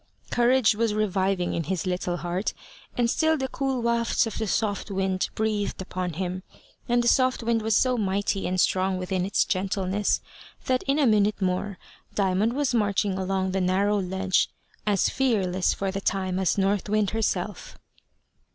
Courage was reviving in his little heart, and still the cool wafts of the soft wind breathed upon him, and the soft wind was so mighty and strong within its gentleness, that in a minute more Diamond was marching along the narrow ledge as fearless for the time as North Wind herself.